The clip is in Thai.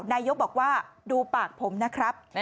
นายกบอกว่าดูปากผมนะครับ